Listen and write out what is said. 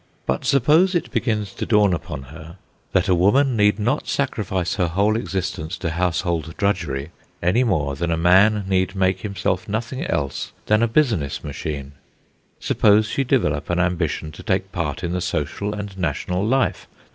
But suppose it begins to dawn upon her that a woman need not sacrifice her whole existence to household drudgery any more than a man need make himself nothing else than a business machine. Suppose she develop an ambition to take part in the social and national life.